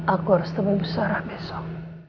aku harus temui bu sarah besok